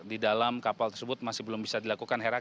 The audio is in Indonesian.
di dalam kapal tersebut masih belum bisa dilakukan hera